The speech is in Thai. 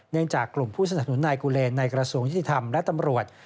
เนื่องจากกลุ่มผู้สนับหนุนนายกูเลนในกระสูงยถิธรรมและตำรวจ